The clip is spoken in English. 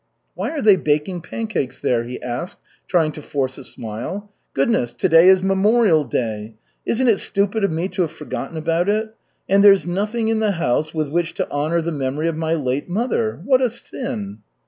"Why are they baking pancakes there?" he asked, trying to force a smile. "Goodness, to day is Memorial Day! Isn't it stupid of me to have forgotten about it? And there's nothing in the house with which to honor the memory of my late mother. What a sin!"